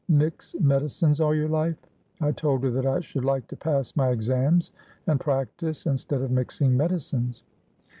'Mix medicines all your life?' I told her that I should like to pass my exams, and practise, instead of mixing medicines.